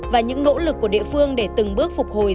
và những nỗ lực của địa phương để từng bước phục hồi